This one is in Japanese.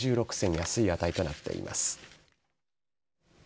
安い値となっています。